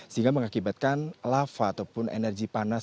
sehingga mengakibatkan lava ataupun energi panas